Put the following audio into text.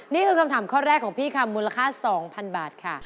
นี่คือคำถามข้อแรกของพี่คำมูลค่า๒๐๐๐บาทค่ะ